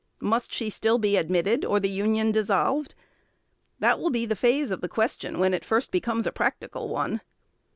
Must she still be admitted, or the Union dissolved? That will be the phase of the question when it first becomes a practical one.